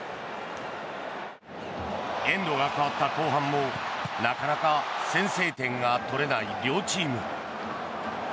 エンドが変わった後半もなかなか先制点が取れない両チーム。